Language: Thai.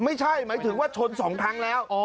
ไม่ใช่หมายถึงว่าชน๒ครั้งแล้ว